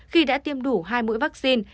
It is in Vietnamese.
khi đã tiêm đủ hai mũi vaccine